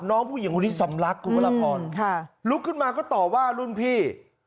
น้องผู้หญิงคนนี้สำลักคุณพระราพรลุกขึ้นมาก็ต่อว่ารุ่นพี่